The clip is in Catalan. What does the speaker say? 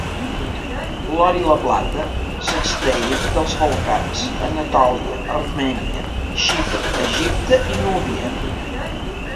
L'or i la plata s'extreien dels Balcans, Anatòlia, Armènia, Xipre, Egipte i Núbia.